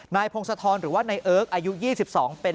นายพงศธรหรือว่าไน่เอิ๊กอายุ๒๒เป็นลูกชายคนเล็ก